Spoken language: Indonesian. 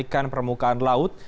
yang dikenalikan permukaan laut